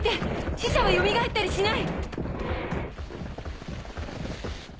死者はよみがえったりしない！